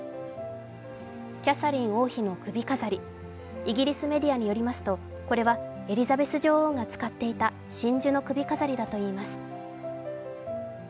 キャサリン王妃の首飾り、イギリスメディアによりますと、これはエリザベス女王が使っていた真珠の首飾りだといいます。